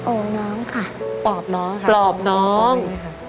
โอ้ยน้องค่ะปลอบน้องค่ะโอ้ยน้องค่ะปลอบน้อง